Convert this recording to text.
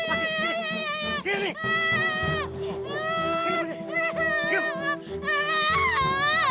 apa tilda ngasih alamatnya yang salah ya